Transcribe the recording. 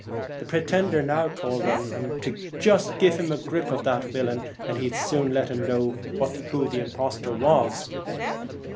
The Twilight, pretender now called to them to 'just give him a grip of that villain, and he'd soon let him know who the imposhterer was